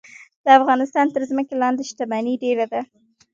د افغانستان تر ځمکې لاندې شتمني ډیره ده